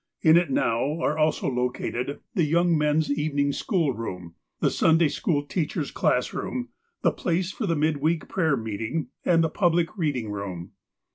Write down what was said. In it are now also located the young men's evening schoolroom, the Sunday school teachers' classroom, the place for the mid week prayer meeting and the public reading room.